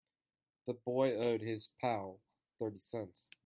The boy owed his pal thirty cents.